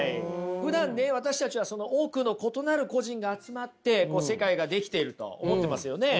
ふだんね私たちは多くの異なる個人が集まって世界が出来てると思ってますよね。